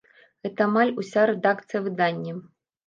Гэта амаль уся рэдакцыя выдання.